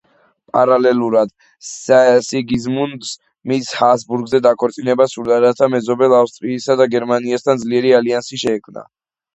პარალელურად, სიგიზმუნდს მისი ჰაბსბურგზე დაქორწინება სურდა, რათა მეზობელ ავსტრიასა და გერმანიასთან ძლიერი ალიანსი შეექმნა.